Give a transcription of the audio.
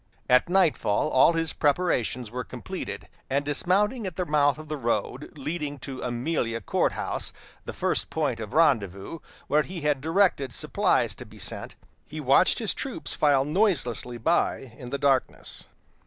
At nightfall all his preparations were completed, and dismounting at the mouth of the road leading to Amelia Court House, the first point of rendezvous, where he had directed supplies to be sent, he watched his troops file noiselessly by in the darkness.